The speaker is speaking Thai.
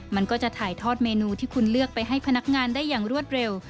มันก็จะถ่ายทอดเมนูที่คุณเลือกไปให้พนักงานได้อย่างรวดเร็ว